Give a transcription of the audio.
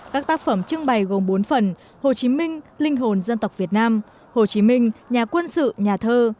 các tác phẩm trưng bày gồm bốn phần hồ chí minh linh hồn dân tộc việt nam hồ chí minh nhà quân sự nhà thơ